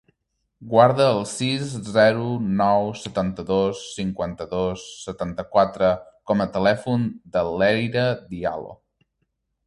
Guarda el sis, zero, nou, setanta-dos, cinquanta-dos, setanta-quatre com a telèfon de l'Eyra Diallo.